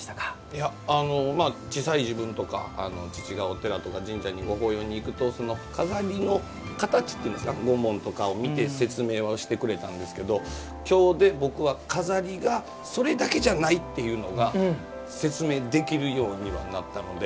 いやまあ小さい時分とか父がお寺とか神社にご法要に行くとその錺の形っていうんですかご紋とかを見て説明はしてくれたんですけど今日で僕は錺がそれだけじゃないっていうのが説明できるようにはなったので。